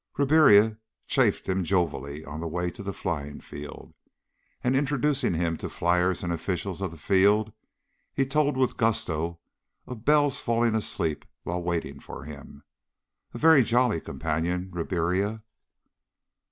Ribiera chaffed him jovially on the way to the flying field. And introducing him to fliers and officials of the field, he told with gusto of Bell's falling asleep while waiting for him. A very jolly companion, Ribiera.